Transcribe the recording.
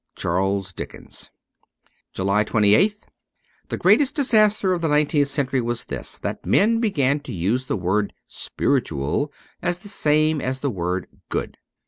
CharUs Dickens. 331 JULY 28th THE greatest disaster of the nineteenth century was this : that men began to use the word * spiritual ' as the same as the word ' good.'